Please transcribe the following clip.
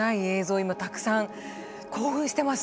今たくさん興奮してます！